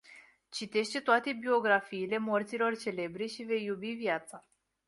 Citește toate biografiile morților celebri și vei iubi viața.